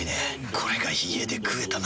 これが家で食えたなら。